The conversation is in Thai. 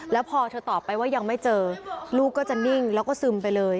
แล้วพอเธอตอบไปว่ายังไม่เจอลูกก็จะนิ่งแล้วก็ซึมไปเลย